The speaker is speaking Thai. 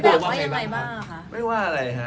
แต่ถ้าเรามีการดูแลเรื่อย